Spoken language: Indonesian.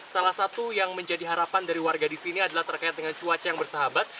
salah satu yang menjadi harapan dari warga di sini adalah terkait dengan cuaca yang bersahabat